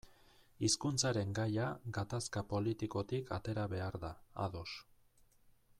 Hizkuntzaren gaia gatazka politikotik atera behar da, ados.